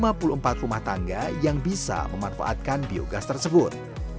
ketika diperlukan kemudian diperlukan kembali ke rumah tangga yang bisa memanfaatkan biogas tersebut